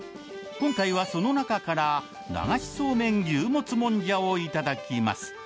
今回はその中から流しそうめん牛モツもんじゃをいただきます